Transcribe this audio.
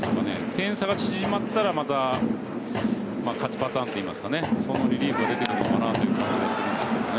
点差が縮まったらまた勝ちパターンというかそのリリーフが出てくるのかなと思うんですけど。